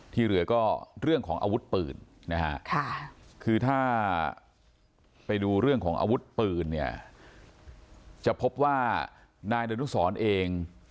ที่เหลือก็เรื่องของอาวุธปืนนะฮะคือถ้าไปดูเรื่องของอาวุธปืนเนี่ยจะพบว่านายดนุสรเอง